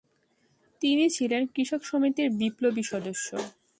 তিনি ছিলেন কৃষক সমিতির বিপ্লবী সদস্য।